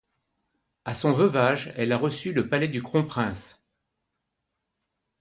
A son veuvage, elle a reçu le Palais du Kronprinz.